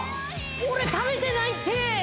俺食べてないって！